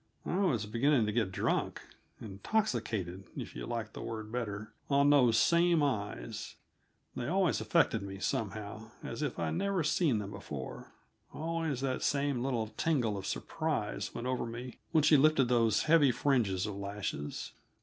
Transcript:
I was beginning to get drunk intoxicated, if you like the word better on those same eyes; they always affected me, somehow, as if I'd never seen them before; always that same little tingle of surprise went over me when she lifted those heavy fringes of lashes.